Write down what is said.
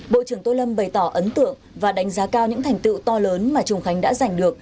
bộ trưởng tô lâm bày tỏ ấn tượng và đánh giá cao những thành tựu to lớn mà trùng khánh đã giành được